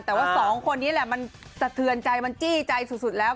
แต่ว่าสองคนนี้แหละมันสะเทือนใจมันจี้ใจสุดแล้ว